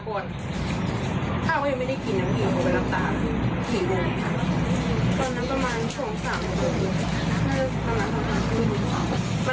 ไปรับค่ะแต่ว่าหลับไม่ได้กลับบ้าน